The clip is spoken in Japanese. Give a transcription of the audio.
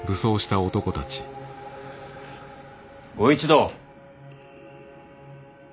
ご一同！